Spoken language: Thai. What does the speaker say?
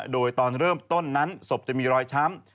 โดยตอนเริ่มต้นนั้นศพจะมีรอยช้ำ